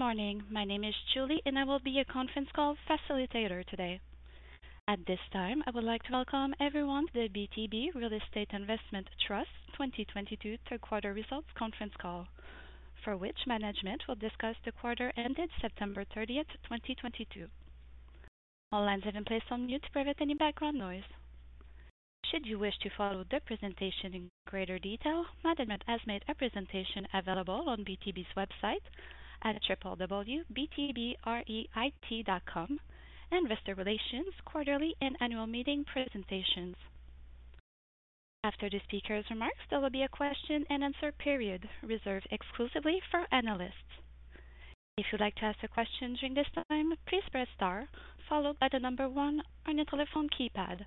Good morning. My name is Julie, and I will be your conference call facilitator today. At this time, I would like to welcome everyone to the BTB Real Estate Investment Trust 2022 Third Quarter Results Conference Call, for which management will discuss the quarter ended September 30, 2022. All lines have been placed on mute to prevent any background noise. Should you wish to follow the presentation in greater detail, management has made a presentation available on BTB's website at www.btbreit.com, Investor Relations, Quarterly and Annual Meeting Presentations. After the speaker's remarks, there will be a question and answer period reserved exclusively for analysts. If you'd like to ask a question during this time, please press star followed by the number one on your telephone keypad.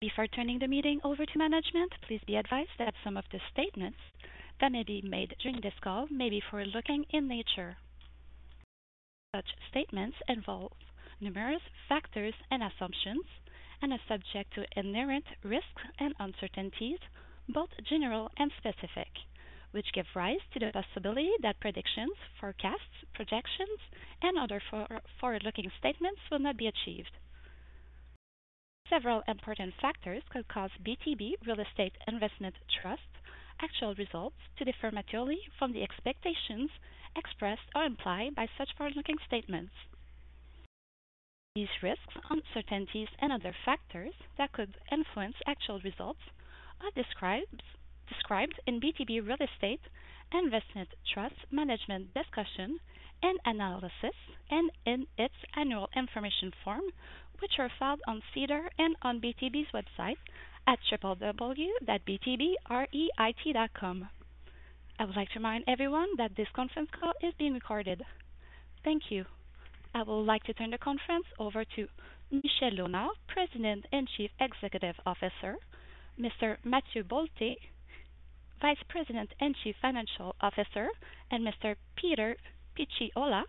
Before turning the meeting over to management, please be advised that some of the statements that may be made during this call may be forward-looking in nature. Such statements involve numerous factors and assumptions and are subject to inherent risks and uncertainties, both general and specific, which give rise to the possibility that predictions, forecasts, projections, and other forward-looking statements will not be achieved. Several important factors could cause BTB Real Estate Investment Trust actual results to differ materially from the expectations expressed or implied by such forward-looking statements. These risks, uncertainties, and other factors that could influence actual results are described in BTB Real Estate Investment Trust management discussion and analysis, and in its annual information form, which are filed on SEDAR and on BTB's website at www.btbreit.com. I would like to remind everyone that this conference call is being recorded. Thank you. I would like to turn the conference over to Michel Léonard, President and Chief Executive Officer, Mr. Mathieu Bolté, Vice President and Chief Financial Officer, and Mr. Peter Picciola,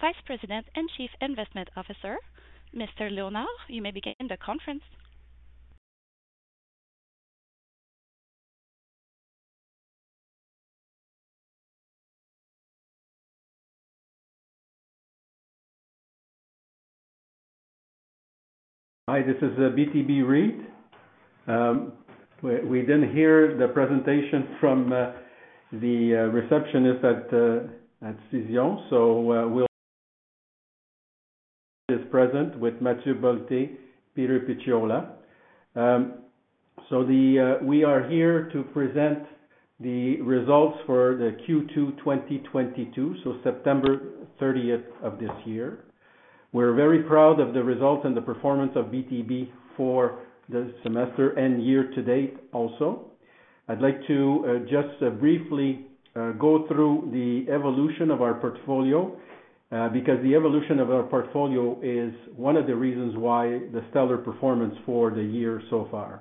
Vice President and Chief Investment Officer. Mr. Léonard, you may begin the conference. Hi, this is BTB REIT. We didn't hear the presentation from the receptionist at Cision, so we'll present with Mathieu Bolté, Peter Picciola. We are here to present the results for the Q2 2022, so September 30th of this year. We're very proud of the results and the performance of BTB for the semester and year to date also. I'd like to just briefly go through the evolution of our portfolio, because the evolution of our portfolio is one of the reasons why the stellar performance for the year so far.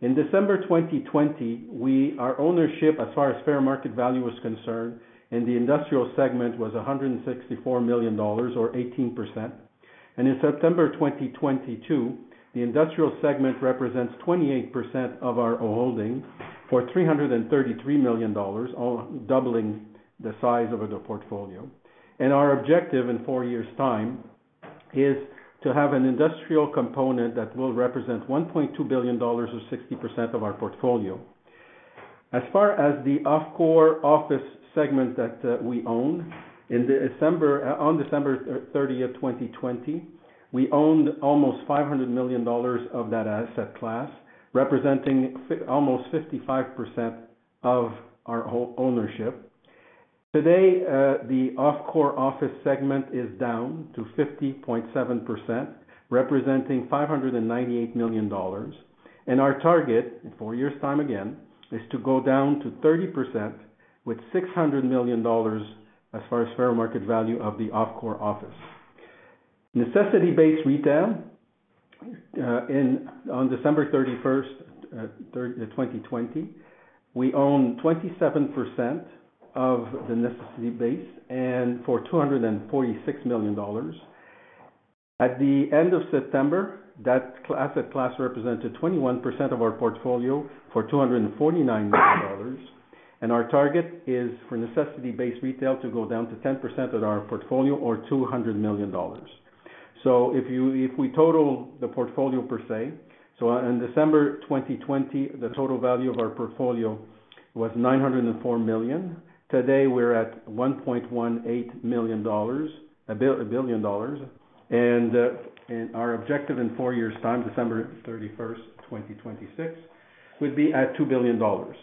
In December 2020, our ownership as far as fair market value is concerned in the industrial segment was 164 million dollars or 18%. In September 2022, the industrial segment represents 28% of our holdings for 333 million dollars, doubling the size of the portfolio. Our objective in four years' time is to have an industrial component that will represent 1.2 billion dollars or 60% of our portfolio. As far as the non-core office segment that we own in the December, on December 30th, 2020, we owned almost 500 million dollars of that asset class, representing almost 55% of our whole ownership. Today, the off-core office segment is down to 50.7%, representing 598 million dollars. Our target in four years' time again is to go down to 30% with 600 million dollars as far as fair market value of the off-core office. Necessity-based retail, on December 31st, 2020, we own 27% of the necessity base and for 246 million dollars. At the end of September, that asset class represented 21% of our portfolio for 249 million dollars. Our target is for necessity-based retail to go down to 10% of our portfolio or 200 million dollars. If we total the portfolio per se, in December 2020, the total value of our portfolio was 904 million. Today, we're at 1.18 billion dollars, a billion dollars. Our objective in four years' time, December 31st, 2026, we'd be at 2 billion dollars.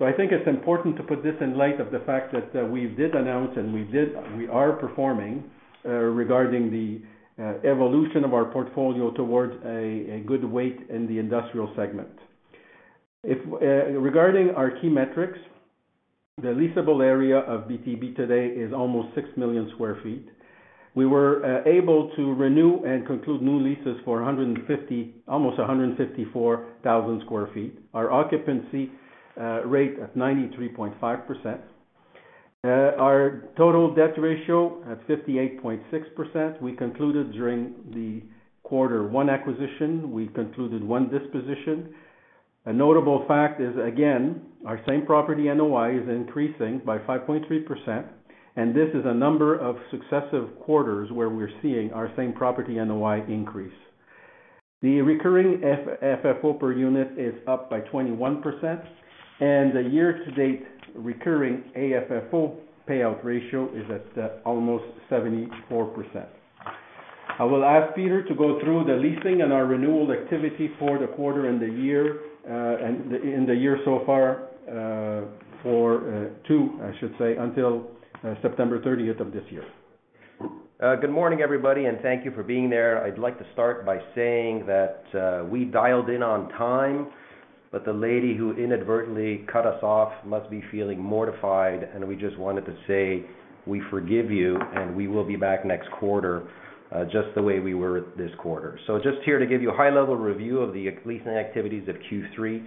I think it's important to put this in light of the fact that we are performing regarding the evolution of our portfolio towards a good weight in the industrial segment. Regarding our key metrics, the leasable area of BTB today is almost 6 million sq ft. We were able to renew and conclude new leases for 150, almost 154,000 sq ft. Our occupancy rate at 93.5%. Our total debt ratio at 58.6%. We concluded during the quarter one acquisition. We concluded one disposition. A notable fact is, again, our same-property NOI is increasing by 5.3%, and this is a number of successive quarters where we're seeing our same-property NOI increase. The recurring FFO per unit is up by 21%, and the year-to-date recurring AFFO payout ratio is at almost 74%. I will ask Peter to go through the leasing and our renewal activity for the quarter and the year, in the year so far, until September 30th of this year. Good morning, everybody, and thank you for being there. I'd like to start by saying that, we dialed in on time, but the lady who inadvertently cut us off must be feeling mortified, and we just wanted to say we forgive you, and we will be back next quarter, just the way we were this quarter. Just here to give you a high-level review of the leasing activities of Q3.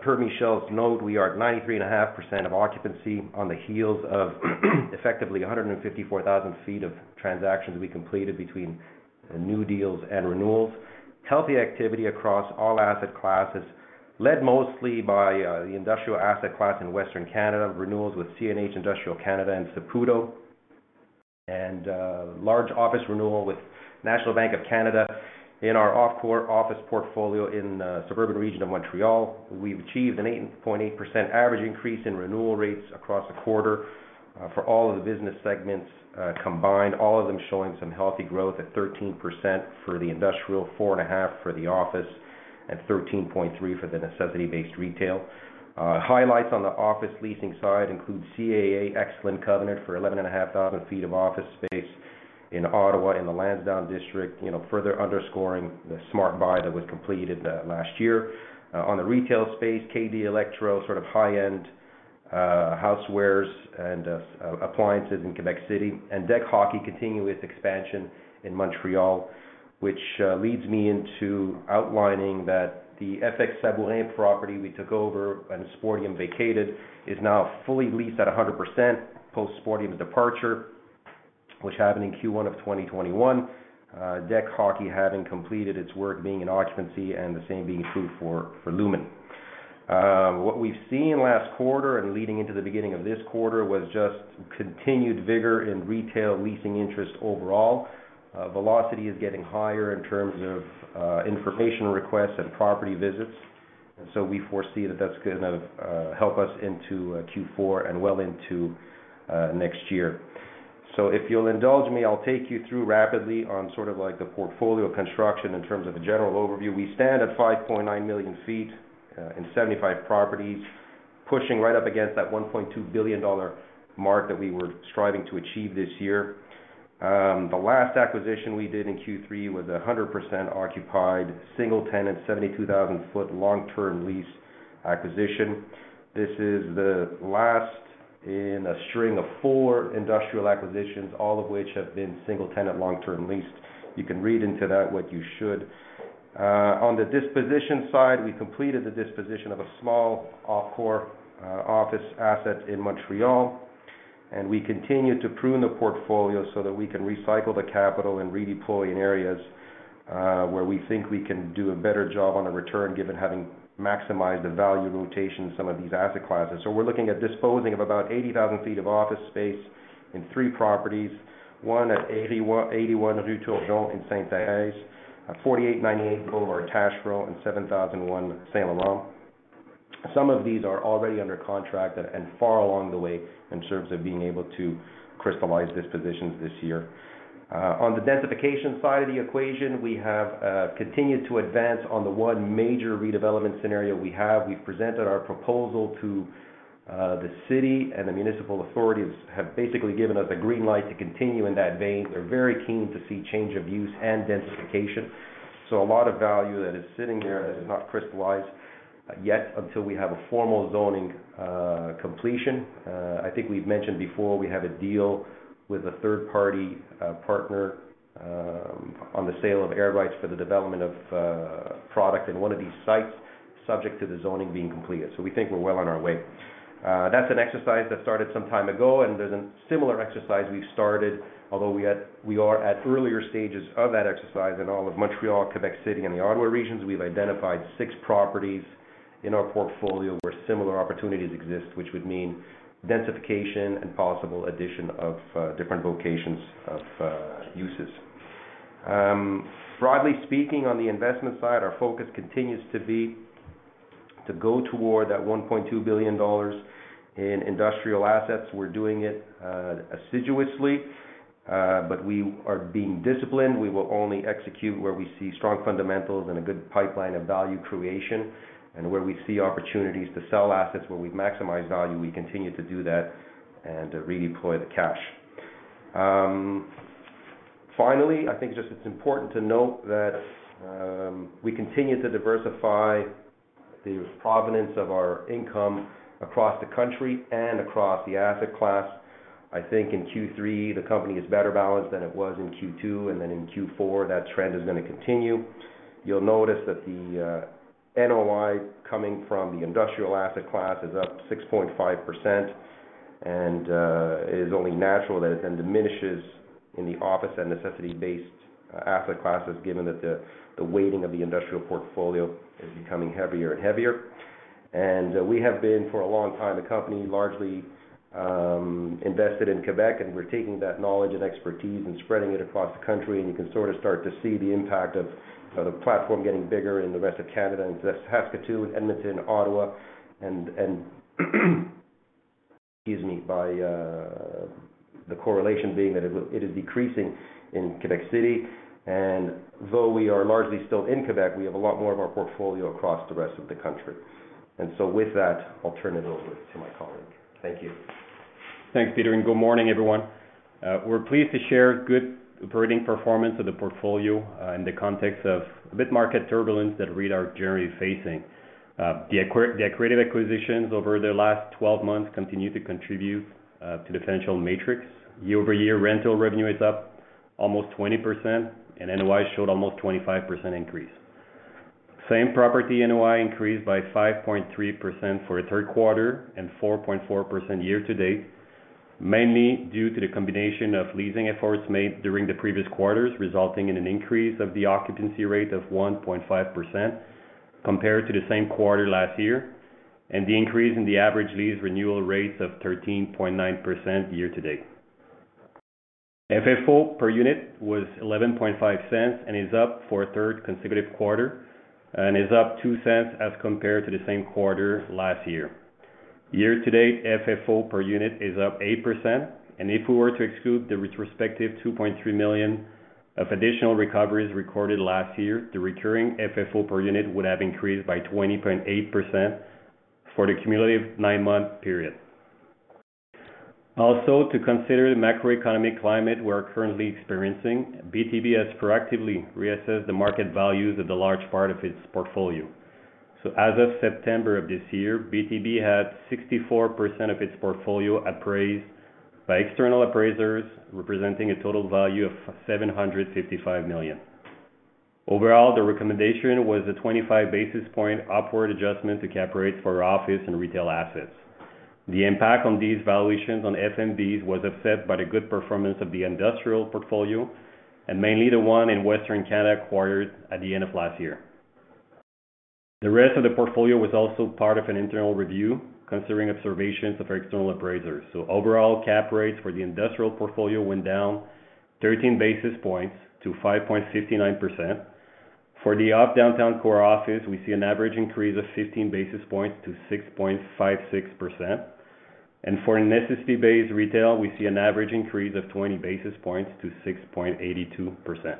Per Michel's note, we are at 93.5% occupancy on the heels of effectively 154,000 sq ft of transactions we completed between new deals and renewals. Healthy activity across all asset classes, led mostly by the industrial asset class in Western Canada, renewals with CNH Industrial Canada and Saputo, and large office renewal with National Bank of Canada in our office portfolio in suburban region of Montreal. We've achieved an 8.8% average increase in renewal rates across the quarter for all of the business segments combined, all of them showing some healthy growth at 13% for the industrial, 4.5% for the office, and 13.3% for the necessity-based retail. Highlights on the office leasing side include [CAA x Flint] covenant for 11,500 sq ft of office space in Ottawa, in the Lansdowne district, you know, further underscoring the smart buy that was completed last year.- On the retail space, KD Electro, sort of high-end, housewares and appliances in Quebec City. Dek Hockey continues its expansion in Montreal, which leads me into outlining that the F.X. Sabourin property we took over when the Sportium vacated is now fully leased at 100% post-Sportium departure, which happened in Q1 of 2021. Dek Hockey having completed its work being in occupancy and the same being true for Lumen. What we've seen last quarter and leading into the beginning of this quarter was just continued vigor in retail leasing interest overall. Velocity is getting higher in terms of information requests and property visits. We foresee that that's gonna help us into Q4 and well into next year. If you'll indulge me, I'll take you through rapidly on sort of like the portfolio construction in terms of a general overview. We stand at 5.9 million sq ft in 75 properties, pushing right up against that 1.2 billion dollar mark that we were striving to achieve this year. The last acquisition we did in Q3 was 100% occupied, single-tenant, 72,000 sq ft long-term lease acquisition. This is the last in a string of four industrial acquisitions, all of which have been single-tenant long-term leased. You can read into that what you should. On the disposition side, we completed the disposition of a small off-core office asset in Montreal, and we continue to prune the portfolio so that we can recycle the capital and redeploy in areas where we think we can do a better job on a return given having maximized the value rotation in some of these asset classes. We're looking at disposing of about 80,000 sq ft of office space in three properties, one at 81 Rue Turgeon in Sainte-Thérèse, 4898 Boulevard Taschereau, and 7001 Saint-Laurent. Some of these are already under contract and far along the way in terms of being able to crystallize dispositions this year. On the densification side of the equation, we have continued to advance on the one major redevelopment scenario we have. We've presented our proposal to the city, and the municipal authorities have basically given us a green light to continue in that vein. They're very keen to see change of use and densification. A lot of value that is sitting there that is not crystallized yet until we have a formal zoning completion. I think we've mentioned before we have a deal with a third-party partner on the sale of air rights for the development of product in one of these sites subject to the zoning being completed. We think we're well on our way. That's an exercise that started some time ago, and there's a similar exercise we started, although we are at earlier stages of that exercise in all of Montreal, Quebec City, and the Ottawa regions. We've identified six properties in our portfolio where similar opportunities exist, which would mean densification and possible addition of different vocations of uses. Broadly speaking, on the investment side, our focus continues to be to go toward that 1.2 billion dollars in industrial assets. We're doing it assiduously, but we are being disciplined. We will only execute where we see strong fundamentals and a good pipeline of value creation. Where we see opportunities to sell assets where we've maximized value, we continue to do that and redeploy the cash. Finally, I think just it's important to note that we continue to diversify the provenance of our income across the country and across the asset class. I think in Q3, the company is better balanced than it was in Q2, and then in Q4, that trend is gonna continue. You'll notice that the NOI coming from the industrial asset class is up 6.5%. It is only natural that it then diminishes in the office and necessity-based asset classes, given that the weighting of the industrial portfolio is becoming heavier and heavier. We have been, for a long time, a company largely invested in Quebec, and we're taking that knowledge and expertise and spreading it across the country. You can sort of start to see the impact of the platform getting bigger in the rest of Canada, into Saskatoon, Edmonton, Ottawa, and excuse me, by the correlation being that it is decreasing in Quebec City. Though we are largely still in Quebec, we have a lot more of our portfolio across the rest of the country. With that, I'll turn it over to my colleague. Thank you. Thanks, Peter, and good morning, everyone. We're pleased to share good operating performance of the portfolio, in the context of a bit of market turbulence that REITs are generally facing. The accretive acquisitions over the last 12 months continue to contribute to the financial metrics. Year-over-year, rental revenue is up almost 20%, and NOI showed almost 25% increase. Same property NOI increased by 5.3% for the third quarter and 4.4% year-to-date, mainly due to the combination of leasing efforts made during the previous quarters, resulting in an increase of the occupancy rate of 1.5% compared to the same quarter last year, and the increase in the average lease renewal rates of 13.9% year-to-date. FFO per unit was 0.115 and is up for a third consecutive quarter and is up 0.02 as compared to the same quarter last year. Year-to-date, FFO per unit is up 8%, and if we were to exclude the retrospective 2.3 million of additional recoveries recorded last year, the recurring FFO per unit would have increased by 20.8% for the cumulative nine-month period. Also, to consider the macroeconomic climate we are currently experiencing, BTB has proactively reassessed the market values of the large part of its portfolio. As of September of this year, BTB had 64% of its portfolio appraised by external appraisers, representing a total value of 755 million. Overall, the recommendation was a 25 basis point upward adjustment to cap rates for office and retail assets. The impact on these valuations on FMVs was offset by the good performance of the industrial portfolio and mainly the one in Western Canada acquired at the end of last year. The rest of the portfolio was also part of an internal review, considering observations of our external appraisers. Overall, cap rates for the industrial portfolio went down 13 basis points to 5.59%. For the off-downtown core office, we see an average increase of 15 basis points to 6.56%. For necessity-based retail, we see an average increase of 20 basis points to 6.82%.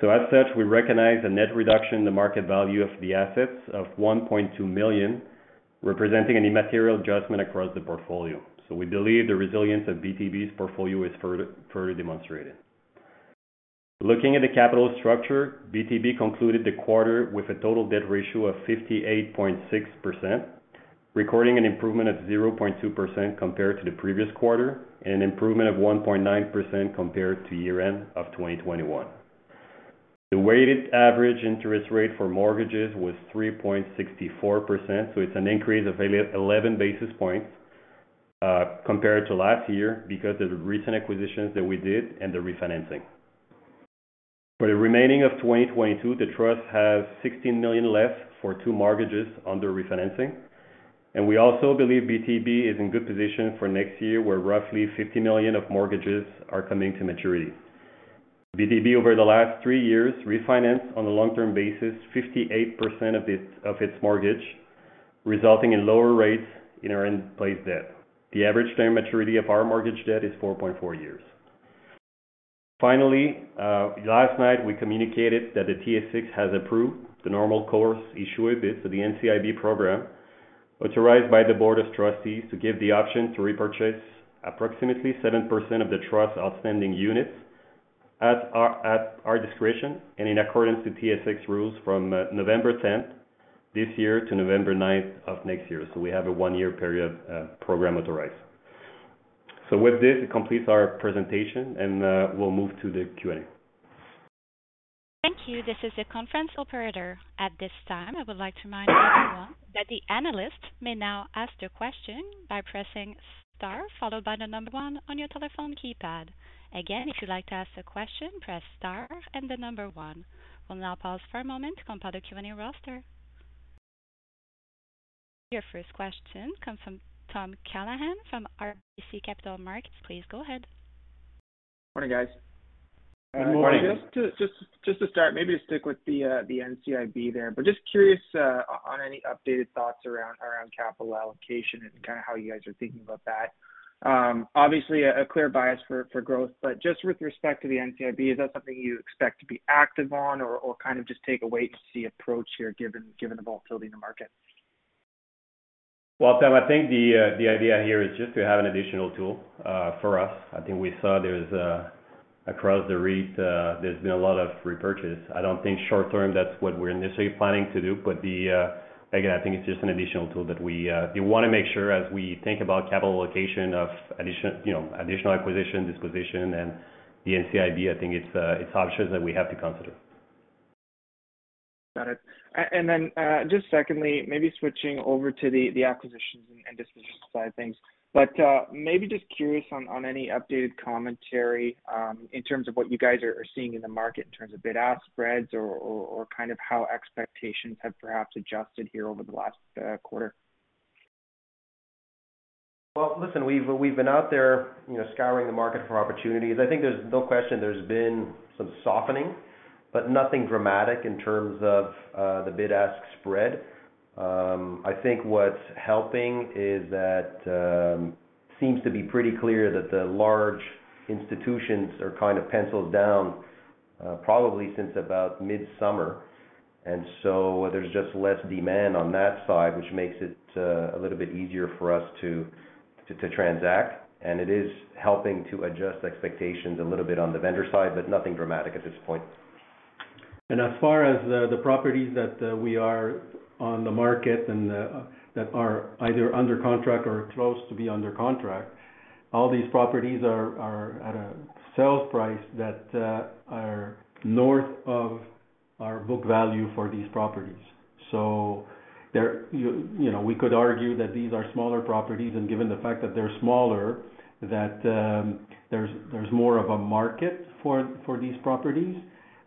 As such, we recognize the net reduction in the market value of the assets of 1.2 million, representing any material adjustment across the portfolio. We believe the resilience of BTB's portfolio is further demonstrated. Looking at the capital structure, BTB concluded the quarter with a total debt ratio of 58.6%, recording an improvement of 0.2% compared to the previous quarter, and an improvement of 1.9% compared to year-end of 2021. The weighted average interest rate for mortgages was 3.64%, so it's an increase of 11 basis points compared to last year because of the recent acquisitions that we did and the refinancing. For the remaining of 2022, the trust has 16 million left for two mortgages under refinancing, and we also believe BTB is in good position for next year, where roughly 50 million of mortgages are coming to maturity. BTB, over the last three years, refinanced on a long-term basis, 58% of its mortgage, resulting in lower rates in our in-place debt. The average term maturity of our mortgage debt is 4.4 years. Finally, last night, we communicated that the TSX has approved the normal course issuer bid for the NCIB program, authorized by the Board of Trustees to give the option to repurchase approximately 7% of the Trust's outstanding units at our discretion and in accordance to TSX rules from November 10th this year to November 9th of next year. We have a one-year period program authorized. With this, it completes our presentation and we'll move to the Q&A. Thank you. This is your conference operator. At this time, I would like to remind everyone that the analyst may now ask their question by pressing star followed by the number one on your telephone keypad. Again, if you'd like to ask a question, press star and the number one. We'll now pause for a moment to compile the Q&A roster. Your first question comes from Tom Callaghan from RBC Capital Markets. Please go ahead. Morning, guys. Good morning. Just to start, maybe to stick with the NCIB there, but just curious, on any updated thoughts around capital allocation and kinda how you guys are thinking about that. Obviously a clear bias for growth, but just with respect to the NCIB, is that something you expect to be active on or kind of just take a wait to see approach here, given the volatility in the market? Well, Tom, I think the idea here is just to have an additional tool for us. I think we saw there's across the REIT, there's been a lot of repurchase. I don't think short term that's what we're necessarily planning to do. Again, I think it's just an additional tool that we wanna make sure as we think about capital allocation in addition, you know, additional acquisition, disposition, and the NCIB. I think it's options that we have to consider. Got it. Just secondly, maybe switching over to the acquisitions and disposition side of things. Maybe just curious on any updated commentary in terms of what you guys are seeing in the market in terms of bid-ask spreads or kind of how expectations have perhaps adjusted here over the last quarter. Well, listen, we've been out there, you know, scouring the market for opportunities. I think there's no question there's been some softening, but nothing dramatic in terms of the bid-ask spread. I think what's helping is that seems to be pretty clear that the large institutions are kind of penciled down, probably since about midsummer. There's just less demand on that side, which makes it a little bit easier for us to transact. It is helping to adjust expectations a little bit on the vendor side, but nothing dramatic at this point. As far as the properties that we have on the market and that are either under contract or close to being under contract, all these properties are at a sale price that are north of our book value for these properties. You know, we could argue that these are smaller properties, and given the fact that they're smaller, there's more of a market for these properties.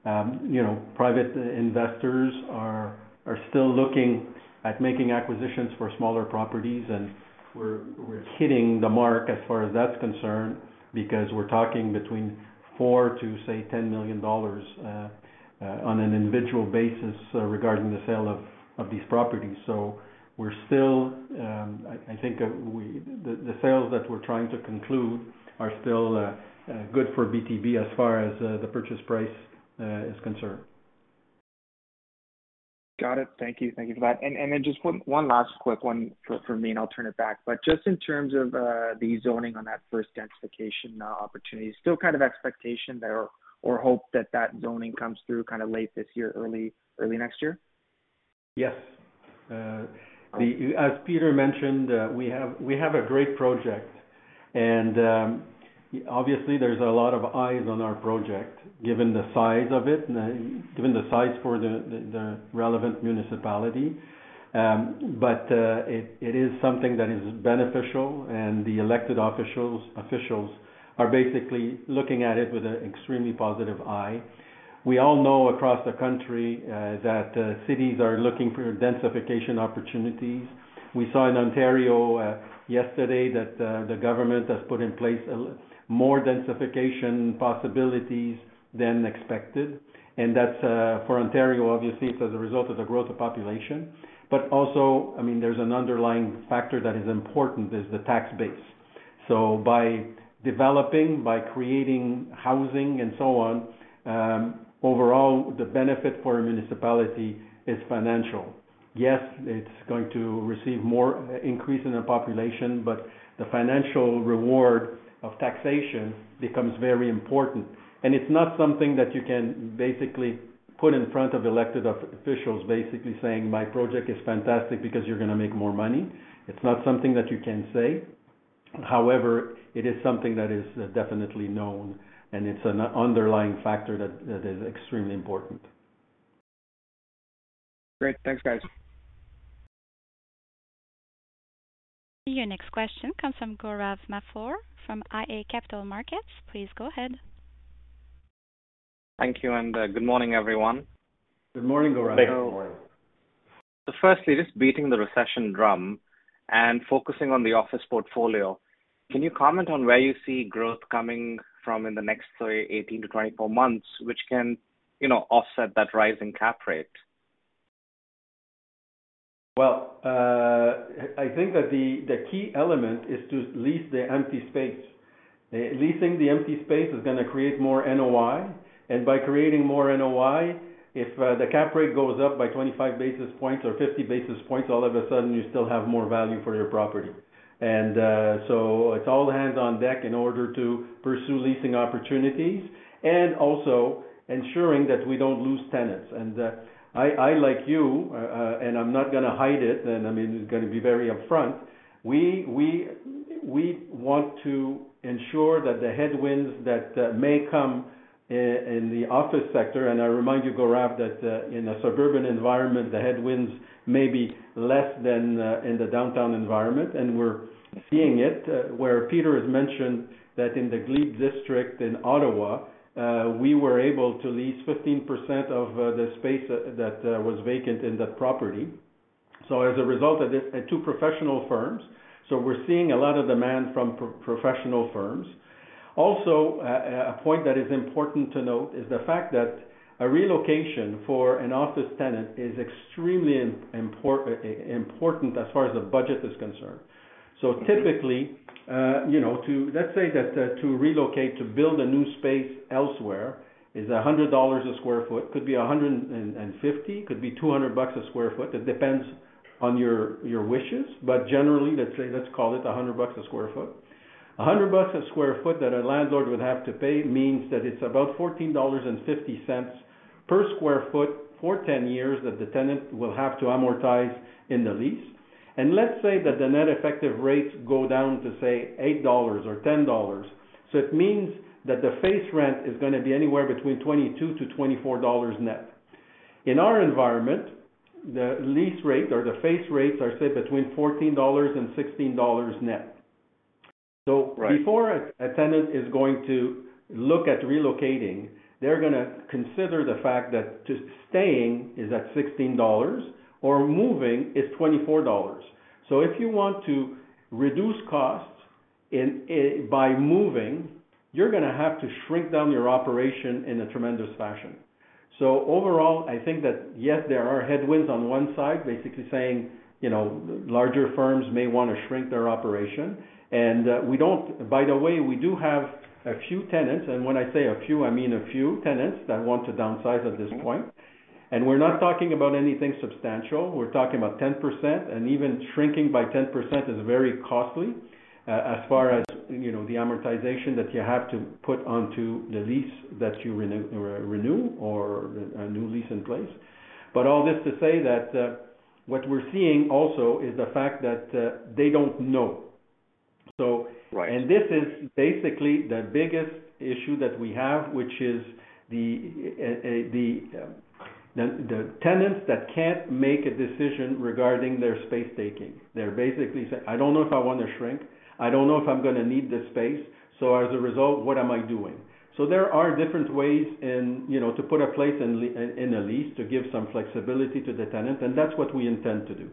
You know, private investors are still looking at making acquisitions for smaller properties, and we're hitting the mark as far as that's concerned, because we're talking between 4 million to 10 million dollars, say, on an individual basis regarding the sale of these properties. I think the sales that we're trying to conclude are still good for BTB as far as the purchase price is concerned. Got it. Thank you. Thank you for that. Then just one last quick one from me, and I'll turn it back. Just in terms of the zoning on that first densification opportunity, still kind of expectation there or hope that that zoning comes through kinda late this year, early next year? Yes. As Peter mentioned, we have a great project, and obviously there's a lot of eyes on our project, given the size of it and given the size for the relevant municipality. It is something that is beneficial and the elected officials are basically looking at it with an extremely positive eye. We all know across the country that cities are looking for densification opportunities. We saw in Ontario yesterday that the government has put in place more densification possibilities than expected. That's for Ontario, obviously, it's as a result of the growth of population. Also, I mean, there's an underlying factor that is important is the tax base. By developing, by creating housing and so on, overall, the benefit for a municipality is financial. Yes, it's going to receive more increase in the population, but the financial reward of taxation becomes very important. It's not something that you can basically put in front of elected officials, basically saying, "My project is fantastic because you're gonna make more money." It's not something that you can say. However, it is something that is definitely known, and it's an underlying factor that is extremely important. Great. Thanks, guys. Your next question comes from Gaurav Mathur from iA Capital Markets. Please go ahead. Thank you, and, good morning, everyone. Good morning, Gaurav. Good morning. Firstly, just beating the recession drum and focusing on the office portfolio, can you comment on where you see growth coming from in the next, say, 18 months-24 months, which can, you know, offset that rise in cap rate? I think that the key element is to lease the empty space. Leasing the empty space is gonna create more NOI. By creating more NOI, if the cap rate goes up by 25 basis points or 50 basis points, all of a sudden you still have more value for your property. It's all hands on deck in order to pursue leasing opportunities and also ensuring that we don't lose tenants. I like you, and I'm not gonna hide it, and I mean, I'm gonna be very upfront. We want to ensure that the headwinds that may come in the office sector, and I remind you, Gaurav, that in a suburban environment, the headwinds may be less than in the downtown environment, and we're seeing it, where Peter has mentioned that in the Glebe district in Ottawa, we were able to lease 15% of the space that was vacant in that property. As a result of this, two professional firms. We're seeing a lot of demand from professional firms. Also, a point that is important to note is the fact that a relocation for an office tenant is extremely important as far as the budget is concerned. Typically, you know, let's say that to relocate, to build a new space elsewhere is 100 dollars a sq ft. Could be 150, could be 200 bucks a sq ft. It depends on your wishes. Generally, let's say, let's call it 100 bucks a sq ft. 100 bucks a sq ft that a landlord would have to pay means that it's about 14.50 dollars per sq ft for 10 years that the tenant will have to amortize in the lease. Let's say that the net effective rates go down to, say, 8 dollars or 10 dollars. It means that the face rent is gonna be anywhere between 22-24 dollars net. In our environment, the lease rate or the face rates are, say, between 14-16 dollars net. Right. Before a tenant is going to look at relocating, they're gonna consider the fact that just staying is at 16 dollars or moving is 24 dollars. If you want to reduce costs by moving, you're gonna have to shrink down your operation in a tremendous fashion. Overall, I think that yes, there are headwinds on one side basically saying, you know, larger firms may wanna shrink their operation. By the way, we do have a few tenants, and when I say a few, I mean a few tenants that want to downsize at this point. We're not talking about anything substantial. We're talking about 10%, and even shrinking by 10% is very costly, as far as, you know, the amortization that you have to put onto the lease that you or renew or a new lease in place. All this to say that, what we're seeing also is the fact that, they don't know. Right. This is basically the biggest issue that we have, which is the tenants that can't make a decision regarding their space taking. They're basically saying, "I don't know if I wanna shrink. I don't know if I'm gonna need this space, so as a result, what am I doing?" There are different ways and, you know, to put a place in a lease to give some flexibility to the tenant, and that's what we intend to do.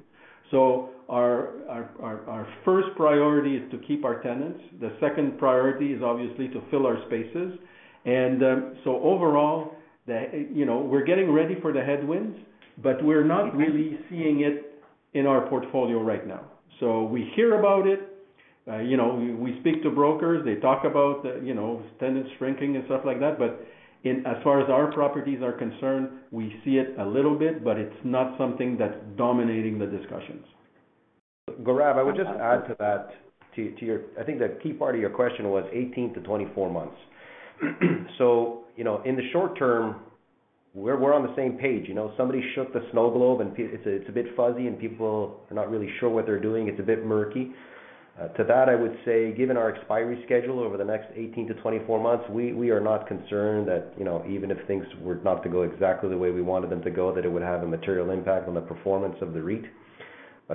Our first priority is to keep our tenants. The second priority is obviously to fill our spaces. Overall, you know, we're getting ready for the headwinds, but we're not really seeing it in our portfolio right now. We hear about it. You know, we speak to brokers, they talk about, you know, tenants shrinking and stuff like that. As far as our properties are concerned, we see it a little bit, but it's not something that's dominating the discussions. Gaurav, I would just add to that, to your. I think the key part of your question was 18months-24 months. You know, in the short term, we're on the same page. You know, somebody shook the snow globe and it's a bit fuzzy, and people are not really sure what they're doing. It's a bit murky. To that, I would say, given our expiry schedule over the next 18months-24 months, we are not concerned that, you know, even if things were not to go exactly the way we wanted them to go, that it would have a material impact on the performance of the REIT.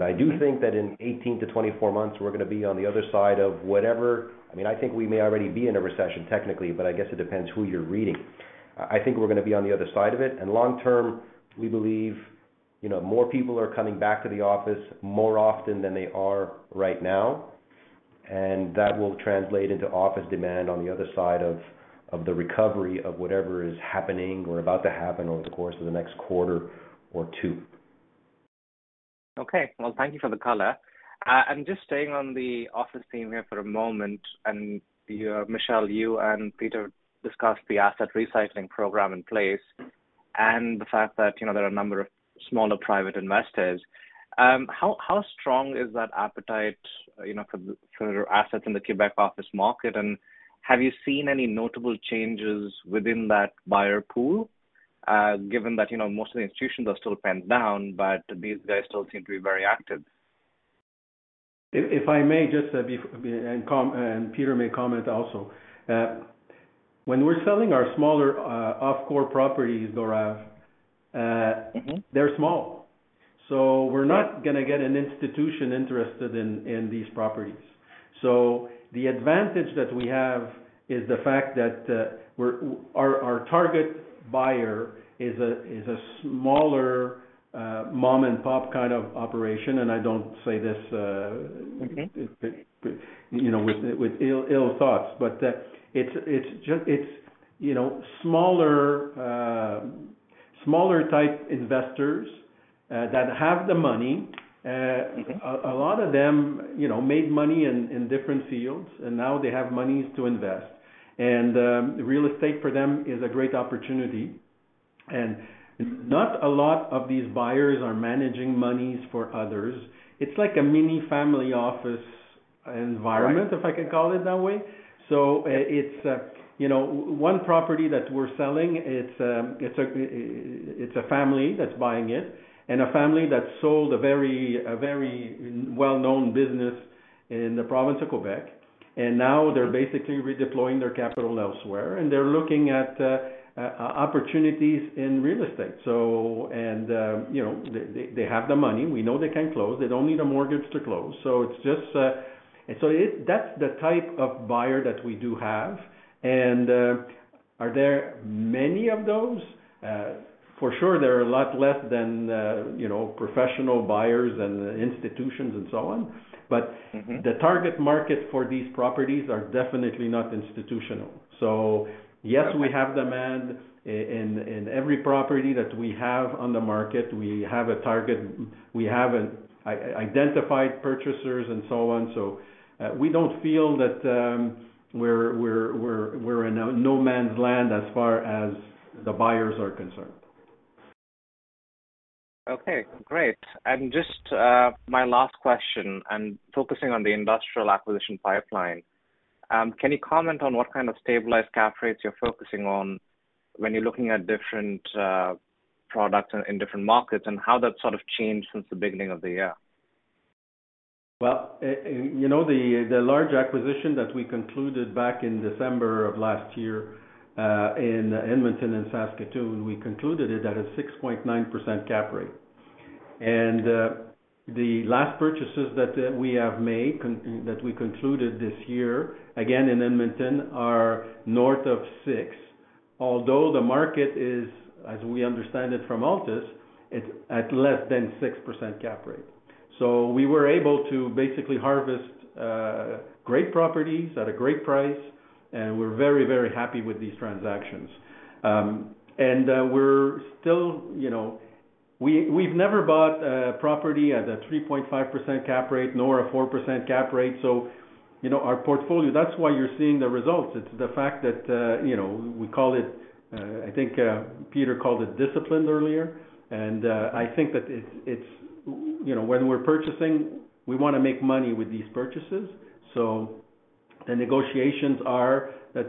I do think that in 18 months-24 months, we're gonna be on the other side of whatever. I mean, I think we may already be in a recession technically, but I guess it depends who you're reading. I think we're gonna be on the other side of it. Long term, we believe, you know, more people are coming back to the office more often than they are right now, and that will translate into office demand on the other side of the recovery of whatever is happening or about to happen over the course of the next quarter or two. Okay. Well, thank you for the color. Just staying on the office theme here for a moment, and you, Michel, you and Peter discussed the asset recycling program in place and the fact that, you know, there are a number of smaller private investors. How strong is that appetite, you know, for assets in the Quebec office market? Have you seen any notable changes within that buyer pool, given that, you know, most of the institutions are still pinned down, but these guys still seem to be very active? If I may just, and Peter may comment also. When we're selling our smaller off-core properties, Gaurav. Mm-hmm. They're small, so we're not gonna get an institution interested in these properties. The advantage that we have is the fact that our target buyer is a smaller mom-and-pop kind of operation, and I don't say this. Okay. You know, with ill thoughts. It's just, you know, smaller type investors that have the money. Okay. a lot of them, you know, made money in different fields, and now they have monies to invest. Real estate for them is a great opportunity. Not a lot of these buyers are managing monies for others. It's like a mini family office environment. Right. If I can call it that way. It's, you know, one property that we're selling, it's a family that's buying it, and a family that sold a very well-known business in the province of Quebec. Now they're basically redeploying their capital elsewhere, and they're looking at opportunities in real estate. You know, they have the money. We know they can close. They don't need a mortgage to close. It's just, that's the type of buyer that we do have. Are there many of those? For sure, there are a lot less than, you know, professional buyers and institutions and so on but. Mm-hmm. The target market for these properties are definitely not institutional. Okay. We have demand in every property that we have on the market. We have a target. We have identified purchasers and so on. We don't feel that we're in a no man's land as far as the buyers are concerned. Okay, great. Just my last question, and focusing on the industrial acquisition pipeline, can you comment on what kind of stabilized cap rates you're focusing on when you're looking at different products in different markets, and how that sort of changed since the beginning of the year? Well, you know, the large acquisition that we concluded back in December of last year in Edmonton and Saskatoon, we concluded it at a 6.9% cap rate. The last purchases that we concluded this year, again, in Edmonton, are north of 6%. Although the market is, as we understand it from Altus, it's at less than 6% cap rate. We were able to basically harvest great properties at a great price, and we're very, very happy with these transactions. We're still, you know. We've never bought property at a 3.5% cap rate nor a 4% cap rate, so, you know, our portfolio, that's why you're seeing the results. It's the fact that, you know, we call it, I think, Peter called it disciplined earlier. I think that it's, you know, when we're purchasing, we wanna make money with these purchases. The negotiations are that.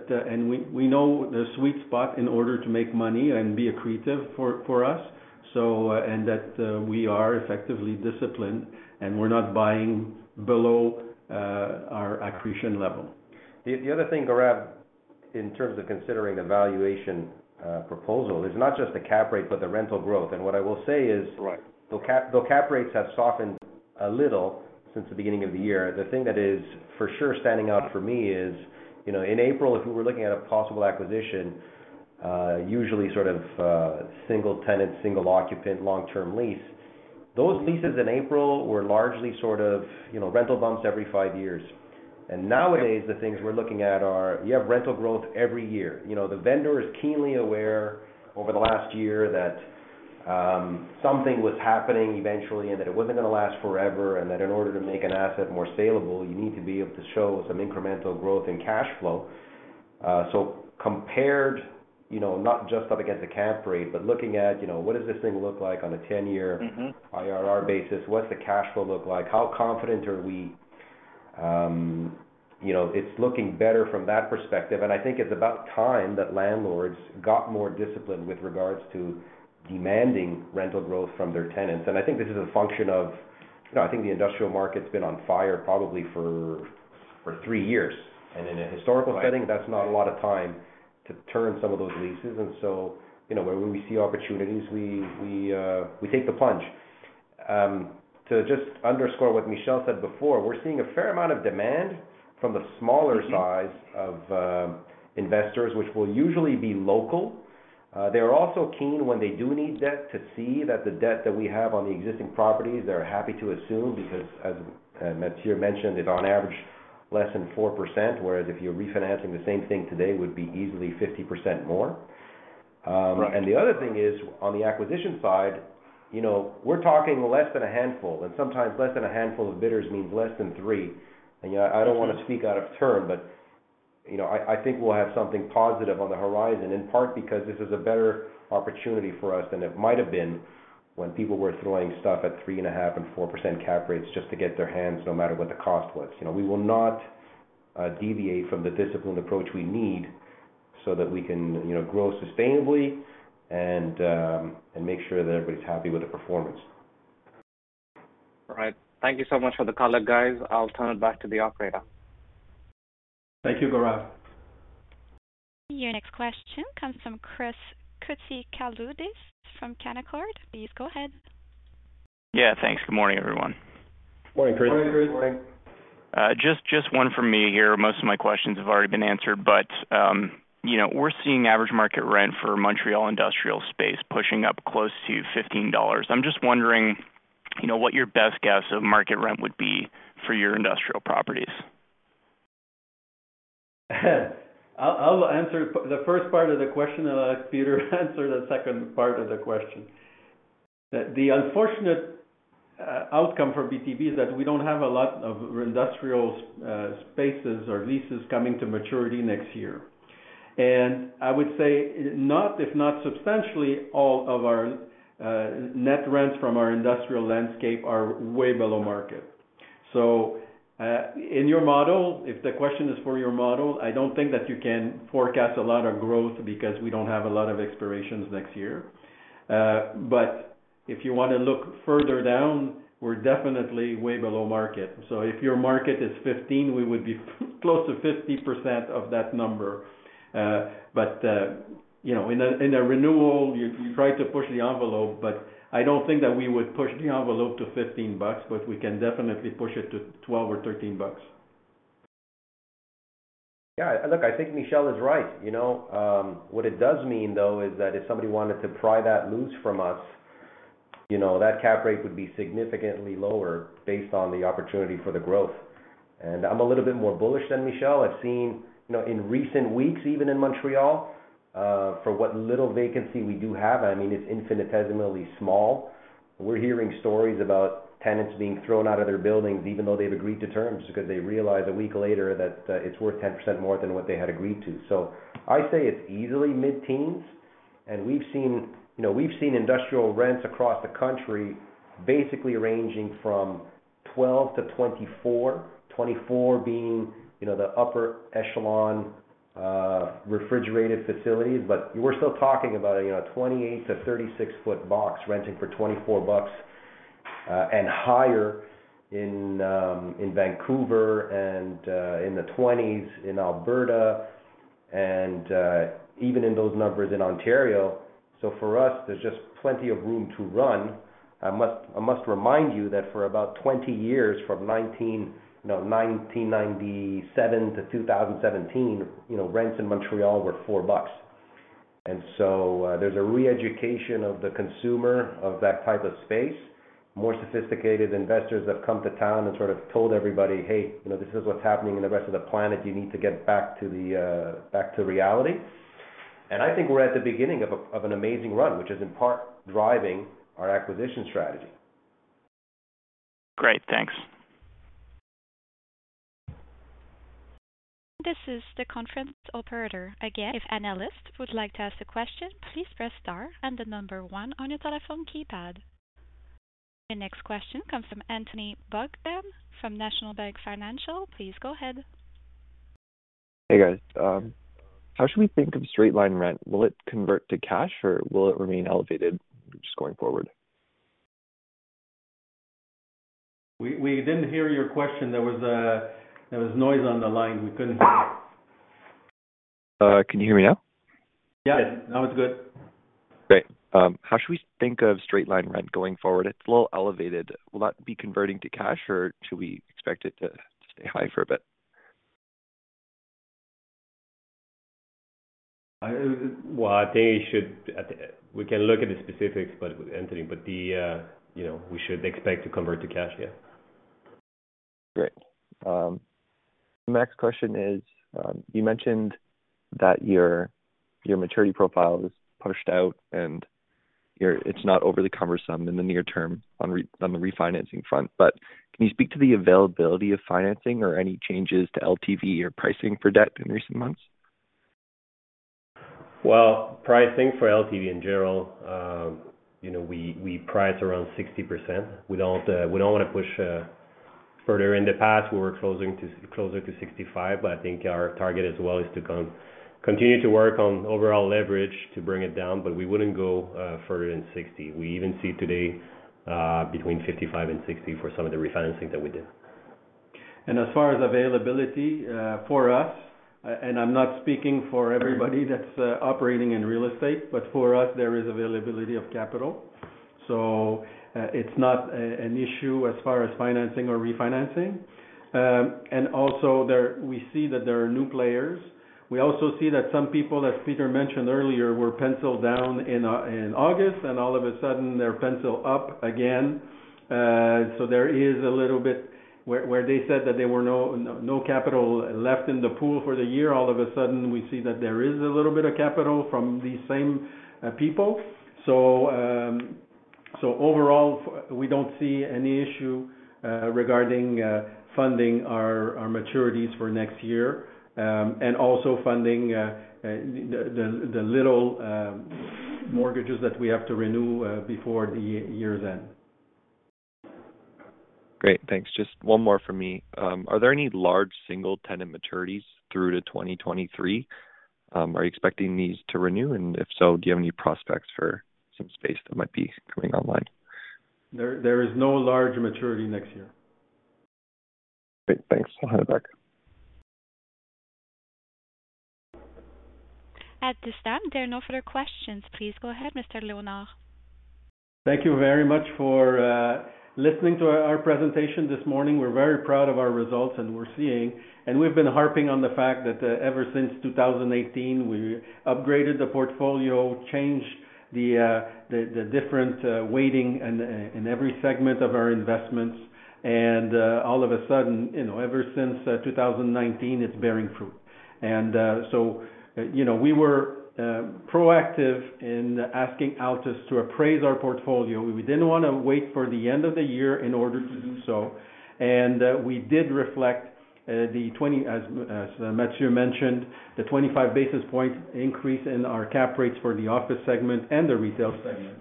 We know the sweet spot in order to make money and be accretive for us. We are effectively disciplined, and we're not buying below our accretion level. The other thing, Gaurav, in terms of considering the valuation proposal, is not just the cap rate, but the rental growth. What I will say is. Right. Cap rates have softened a little since the beginning of the year, the thing that is for sure standing out for me is, you know, in April, if we were looking at a possible acquisition, usually sort of, single tenant, single occupant, long-term lease, those leases in April were largely sort of, you know, rental bumps every five years. Nowadays, the things we're looking at are, you have rental growth every year. You know, the vendor is keenly aware over the last year that, something was happening eventually, and that it wasn't gonna last forever, and that in order to make an asset more saleable, you need to be able to show some incremental growth and cash flow. Compared, you know, not just up against the cap rate, but looking at, you know, what does this thing look like on a 10-year. Mm-hmm. IRR basis? What's the cash flow look like? How confident are we? You know, it's looking better from that perspective. I think it's about time that landlords got more disciplined with regards to demanding rental growth from their tenants. I think this is a function of. You know, I think the industrial market's been on fire probably for three years. In a historical setting. Right. That's not a lot of time to turn some of those leases. You know, where when we see opportunities, we take the plunge. To just underscore what Michel said before, we're seeing a fair amount of demand from the smaller. Mm-hmm. Buy-side investors, which will usually be local. They're also keen when they do need debt to see that the debt that we have on the existing properties, they're happy to assume, because as Mathieu mentioned, it's on average less than 4%, whereas if you're refinancing the same thing today, would be easily 50% more. Right. The other thing is, on the acquisition side, you know, we're talking less than a handful, and sometimes less than a handful of bidders means less than three. You know, I don't wanna speak out of turn, but, you know, I think we'll have something positive on the horizon, in part because this is a better opportunity for us than it might have been when people were throwing stuff at 3.5% and 4% cap rates just to get their hands no matter what the cost was. You know, we will not deviate from the disciplined approach we need so that we can, you know, grow sustainably and make sure that everybody's happy with the performance. All right. Thank you so much for the color, guys. I'll turn it back to the operator. Thank you, Gaurav. Your next question comes from Christopher Koutsikaloudis from Canaccord Genuity. Please go ahead. Yeah, thanks. Good morning, everyone. Morning, Chris. Morning, Chris. Morning. Just one for me here. Most of my questions have already been answered, but you know, we're seeing average market rent for Montreal industrial space pushing up close to 15 dollars. I'm just wondering, you know, what your best guess of market rent would be for your industrial properties. I'll answer the first part of the question, and I'll let Peter answer the second part of the question. The unfortunate outcome for BTB is that we don't have a lot of industrial spaces or leases coming to maturity next year. I would say, not if not substantially all of our net rents from our industrial landscape are way below market. In your model, if the question is for your model, I don't think that you can forecast a lot of growth because we don't have a lot of expirations next year. If you wanna look further down, we're definitely way below market. If your market is 15, we would be close to 50% of that number. You know, in a renewal, you try to push the envelope, but I don't think that we would push the envelope to 15 bucks, but we can definitely push it to 12 or 13 bucks. Yeah, look, I think Michel is right. You know, what it does mean, though, is that if somebody wanted to pry that loose from us, you know, that cap rate would be significantly lower based on the opportunity for the growth. I'm a little bit more bullish than Michel. I've seen, you know, in recent weeks, even in Montreal, for what little vacancy we do have, I mean, it's infinitesimally small. We're hearing stories about tenants being thrown out of their buildings even though they've agreed to terms because they realize a week later that, it's worth 10% more than what they had agreed to. I say it's easily mid-teens. We've seen, you know, industrial rents across the country basically ranging from 12-24. 24 being, you know, the upper echelon, refrigerated facilities. We're still talking about, you know, a 28 foot-36-foot box renting for 24 bucks, and higher in Vancouver and in the 20s in Alberta and even in those numbers in Ontario. For us, there's just plenty of room to run. I must remind you that for about 20 years, from 1997 to 2017, you know, rents in Montreal were 4 bucks. There's a re-education of the consumer of that type of space. More sophisticated investors have come to town and sort of told everybody, "Hey, you know, this is what's happening in the rest of the planet. You need to get back to reality." I think we're at the beginning of an amazing run, which is in part driving our acquisition strategy. Great. Thanks. This is the conference operator. Again, if analysts would like to ask a question, please press star and the number one on your telephone keypad. Your next question comes from Anthony Bogdan from National Bank Financial. Please go ahead. Hey, guys. How should we think of straight line rent? Will it convert to cash, or will it remain elevated just going forward? We didn't hear your question. There was noise on the line. We couldn't hear. Can you hear me now? Yeah. Now it's good. Great. How should we think of straight-line rent going forward? It's a little elevated. Will that be converting to cash, or should we expect it to stay high for a bit? Well, we can look at the specifics, but Anthony, you know, we should expect to convert to cash, yeah. Great. Next question is, you mentioned that your maturity profile is pushed out and it's not overly cumbersome in the near term on the refinancing front, but can you speak to the availability of financing or any changes to LTV or pricing for debt in recent months? Well, pricing for LTV in general, you know, we price around 60%. We don't wanna push further. In the past, we were closer to 65%, but I think our target as well is to continue to work on overall leverage to bring it down, but we wouldn't go further than 60%. We even see today between 55% and 60% for some of the refinancing that we did. As far as availability for us, and I'm not speaking for everybody that's operating in real estate, but for us, there is availability of capital. It's not an issue as far as financing or refinancing. We see that there are new players. We also see that some people, as Peter mentioned earlier, were penciled down in August, and all of a sudden they're penciled up again. There is a little bit where they said that there were no capital left in the pool for the year, all of a sudden we see that there is a little bit of capital from these same people. Overall, we don't see any issue regarding funding our maturities for next year and also funding the little mortgages that we have to renew before the year's end. Great. Thanks. Just one more from me. Are there any large single-tenant maturities through to 2023? Are you expecting these to renew? If so, do you have any prospects for some space that might be coming online? There is no large maturity next year. Great. Thanks. I'll hand it back. At this time, there are no further questions. Please go ahead, Mr. Léonard. Thank you very much for listening to our presentation this morning. We're very proud of our results, and we're seeing. We've been harping on the fact that ever since 2018, we upgraded the portfolio, changed the different weighting in every segment of our investments. All of a sudden, you know, ever since 2019, it's bearing fruit. You know, we were proactive in asking Altus to appraise our portfolio. We didn't wanna wait for the end of the year in order to do so. We did reflect, as Mathieu mentioned, the 25 basis point increase in our cap rates for the office segment and the retail segment.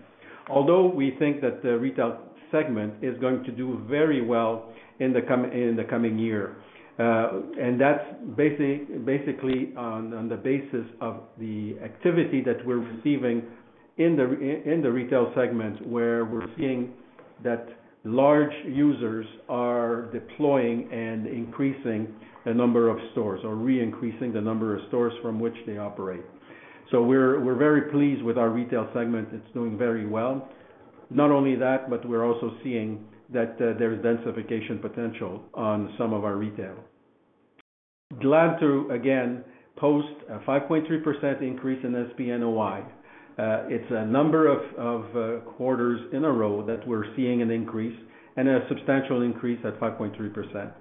Although we think that the retail segment is going to do very well in the coming year. That's basically on the basis of the activity that we're receiving in the retail segment, where we're seeing that large users are deploying and increasing the number of stores or re-increasing the number of stores from which they operate. We're very pleased with our retail segment. It's doing very well. Not only that, but we're also seeing that there is densification potential on some of our retail. Glad to again post a 5.3% increase in SPNOI. It's a number of quarters in a row that we're seeing an increase and a substantial increase at 5.3%.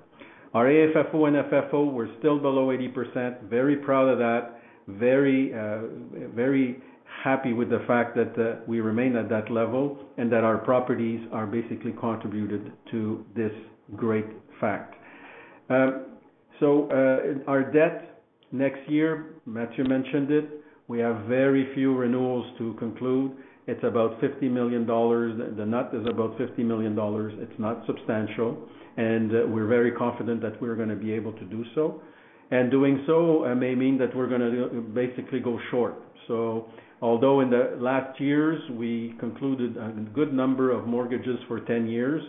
Our AFFO and FFO were still below 80%. Very proud of that. Very happy with the fact that we remain at that level and that our properties are basically contributed to this great fact. Our debt next year, Mathieu mentioned it. We have very few renewals to conclude. It's about 50 million dollars. The net is about 50 million dollars. It's not substantial, and we're very confident that we're gonna be able to do so. Doing so may mean that we're gonna basically go short. Although in the last years we concluded a good number of mortgages for 10 years,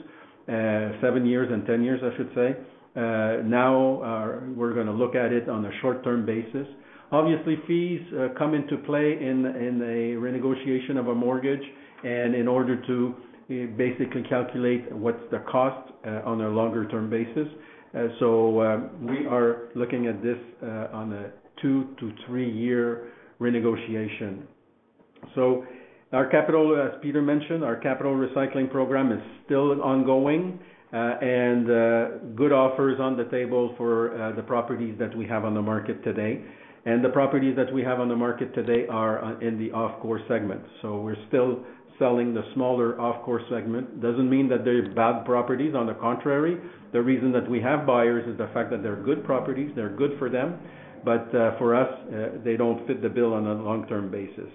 seven years and 10 years, I should say, now we're gonna look at it on a short-term basis. Obviously, fees come into play in a renegotiation of a mortgage and in order to basically calculate what's the cost on a longer-term basis. We are looking at this on a two-three-year renegotiation. Our capital, as Peter mentioned, our capital recycling program is still ongoing, and good offers on the table for the properties that we have on the market today. The properties that we have on the market today are in the off-core segment. We're still selling the smaller off-core segment. Doesn't mean that they're bad properties, on the contrary. The reason that we have buyers is the fact that they're good properties. They're good for them. For us, they don't fit the bill on a long-term basis.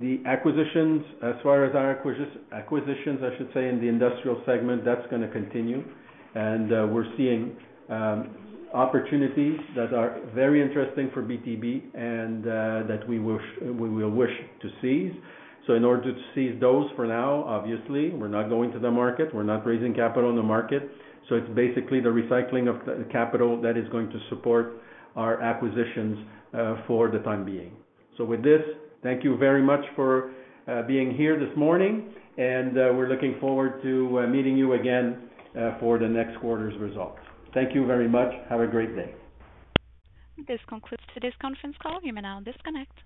The acquisitions, as far as our acquisitions, I should say, in the industrial segment, that's gonna continue. We're seeing opportunities that are very interesting for BTB and that we will wish to seize. In order to seize those for now, obviously, we're not going to the market, we're not raising capital in the market. It's basically the recycling of capital that is going to support our acquisitions for the time being. With this, thank you very much for being here this morning, and we're looking forward to meeting you again for the next quarter's results. Thank you very much. Have a great day. This concludes today's conference call. You may now disconnect.